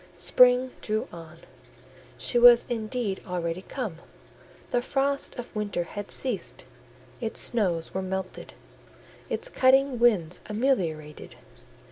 Spring drew on: she was indeed already come; the frosts of winter had ceased; its snows were melted, its cutting winds ameliorated.